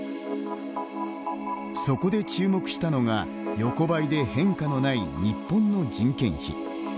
そこで注目したのが横ばいで変化のない日本の人件費。